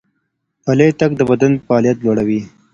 پلی تګ د بدن فعالیت لوړوي.